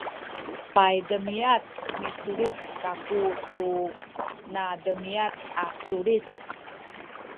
paydemiad misulit kaku tu nademiad a sulit